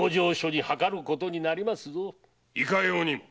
いかようにも。